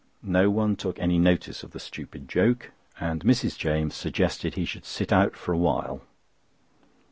No one took any notice of the stupid joke, and Mrs. James suggested he should sit out for a while.